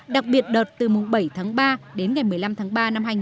đặc biệt đợt từ mùng bảy tháng ba đến ngày một mươi năm tháng ba năm hai nghìn hai mươi